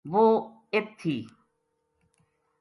وہ ات تھی۔